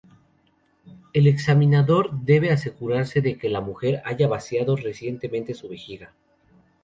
El examinador debe asegurarse de que la mujer haya vaciado recientemente su vejiga.